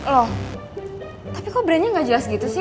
loh tapi kok brandnya gak jelas gitu sih